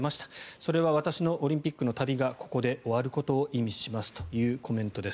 それは私のオリンピックの旅がここで終わることを意味しますというコメントです。